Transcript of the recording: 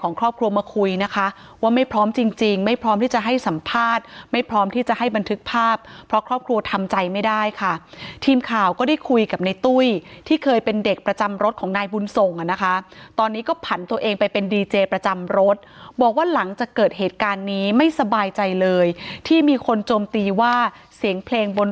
ครอบครัวมาคุยนะคะว่าไม่พร้อมจริงจริงไม่พร้อมที่จะให้สัมภาษณ์ไม่พร้อมที่จะให้บันทึกภาพเพราะครอบครัวทำใจไม่ได้ค่ะทีมข่าวก็ได้คุยกับในตุ้ยที่เคยเป็นเด็กประจำรถของนายบุญส่งอ่ะนะคะตอนนี้ก็ผันตัวเองไปเป็นดีเจประจำรถบอกว่าหลังจากเกิดเหตุการณ์นี้ไม่สบายใจเลยที่มีคนโจมตีว่าเสียงเพลงบน